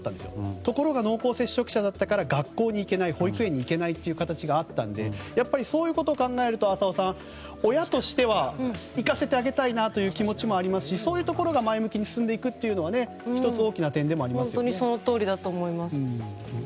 ところが濃厚接触者だったから学校保育園に行けない形があったのでそういうことを考えると親としては行かせてあげたいなという気持ちもありますしそういうところが前向きに進んでいくというのは１つ大きな点でもありますね。